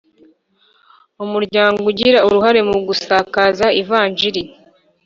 Umuryango ugira uruhare mu gusakaza Ivanjiri